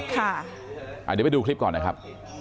เดี๋ยวไปดูคลิปก่อนนะครับ